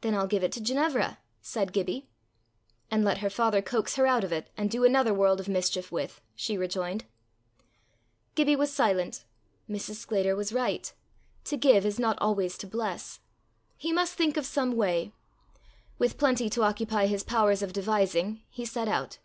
"Then I'll give it to Ginevra," said Gibbie. "And let her father coax her out of it, and do another world of mischief with it!" she rejoined. Gibbie was silent. Mrs. Sclater was right! To give is not always to bless. He must think of some way. With plenty to occupy his powers of devising, he set out.